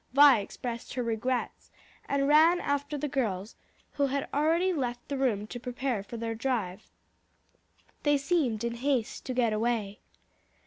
Vi expressed her regrets, and ran after the girls, who had already left the room to prepare for their drive. They seemed in haste to get away.